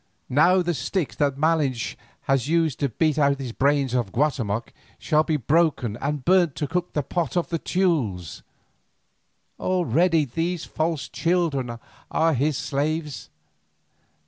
Now the sticks that Malinche has used to beat out the brains of Guatemoc shall be broken and burnt to cook the pot of the Teules. Already these false children are his slaves.